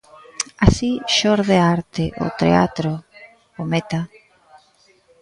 Así xorde a arte, o teatro, o meta.